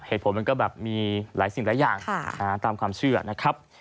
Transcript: มันก็แบบมีหลายสิ่งหลายอย่างตามความเชื่อนะครับ